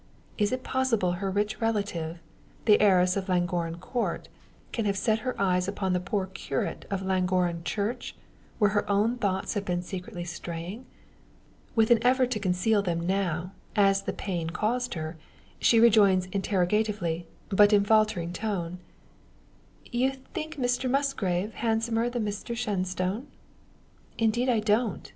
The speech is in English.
Is it possible her rich relative the heiress of Llangorren Court can have set her eyes upon the poor curate of Llangorren Church, where her own thoughts have been secretly straying? With an effort to conceal them now, as the pain caused her, she rejoins interrogatively, but in faltering tone "You think Mr Musgrave handsomer than Mr Shenstone?" "Indeed I don't.